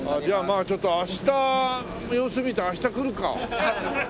じゃあまあちょっと明日の様子見て明日来るか。